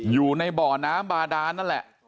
อยู่ในบ่อน้ำบาดานนั่นแหละ